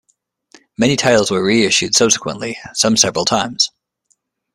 Many titles were reissued subsequently, some several times.